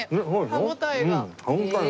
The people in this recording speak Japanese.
歯応えが。